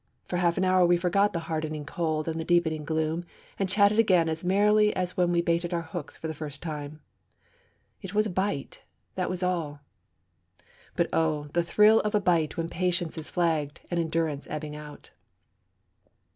For half an hour we forgot the hardening cold and the deepening gloom, and chatted again as merrily as when we baited our hooks for the first time. It was a bite; that was all. But, oh, the thrill of a bite when patience is flagging and endurance ebbing out!